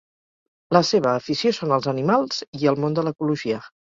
La seva afició són els animals i el món de l'ecologia.